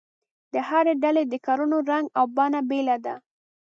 د هرې ډلې د کړنو رنګ او بڼه بېله ده.